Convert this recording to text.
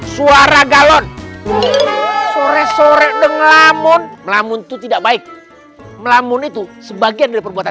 suara galon sore sore dengan lamun melamun itu tidak baik melamun itu sebagian dari perbuatan